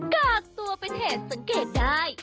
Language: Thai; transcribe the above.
กากตัวเป็นเหตุสังเกตได้